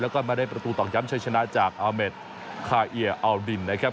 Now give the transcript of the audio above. แล้วก็มาได้ประตูตอกย้ำชัยชนะจากอาเมดคาเอียอัลดินนะครับ